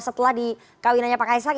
setelah di kawinannya pak kaisang